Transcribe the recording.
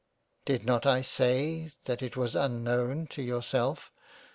" Did not I say that it was unknown to yourself?